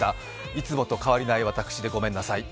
いつもと変わりない私でごめんなさい。